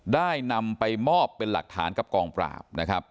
ได้นำไปมอบเป็นหลักฐานกับกองปราบนะครับ